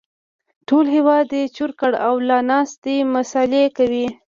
ټول هېواد يې چور کړ او لا ناست دی مسالې کوي